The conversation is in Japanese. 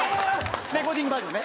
レコーディングバージョンね。